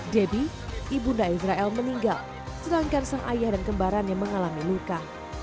debbie ibunda israel meninggal sedangkan sang ayah dan kembarannya mengalami luka